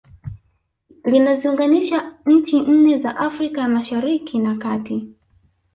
Linaziunganisha nchi nne za Afrika ya Mashariki na Kati